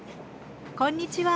こんにちは。